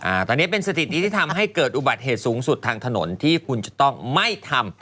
อันนี้เป็นสถิติที่ทำให้เกิดอุบัติเหตุสูงสุดทางถนนที่คุณจะต้องไม่ทำ